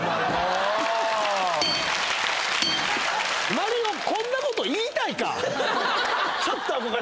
麻璃央こんなこと言いたいか？